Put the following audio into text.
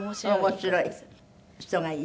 面白い人がいい。